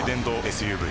ＳＵＶ